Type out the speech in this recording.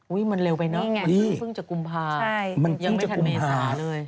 อุ๊ยมันเร็วไปเนอะพี่มันพึ่งจะกุมพายังไม่ถัดเมษาเลย